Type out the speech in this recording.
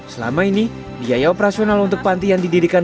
selama ini biaya operasional untuk panti yang didirikan